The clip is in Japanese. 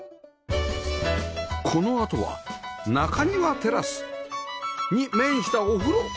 このあとは中庭テラスに面したお風呂。